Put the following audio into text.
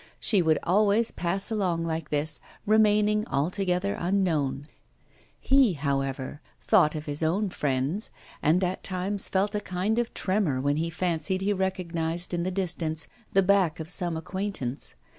She would always pass along like this, remaining altogether unknown. He, however, thought of his own friends, and at times felt a kind of tremor when he fancied he recognised in the distance the back of some acquaintance.